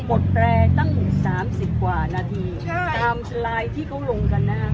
เพราะเราปลดแตรงตั้งสามสิบกว่านาทีใช่ตามไลน์ที่เขาลงกันนะ